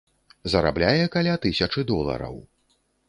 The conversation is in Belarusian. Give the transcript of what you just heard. Зарабляе каля тысячы долараў.